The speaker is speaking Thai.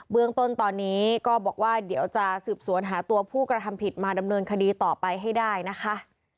เรื่องต้นตอนนี้ก็บอกว่าเดี๋ยวจะสืบสวนหาตัวผู้กระทำผิดมาดำเนินคดีต่อไปให้ได้นะคะ